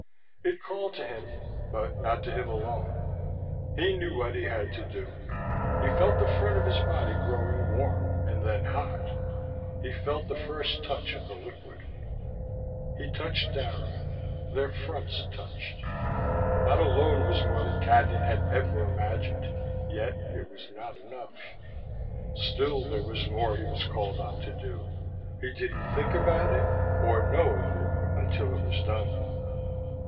It called to him, but not to him alone. He knew what he had to do. He felt the front of his body growing warm and then hot. He felt the first touch of the liquid. He touched Dara: their fronts touched. That alone was more than Cadnan had ever imagined yet it was not enough. Still there was more he was called on to do: he did not think about it, or know of it until it was done.